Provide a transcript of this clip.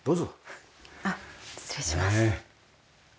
あっ失礼します。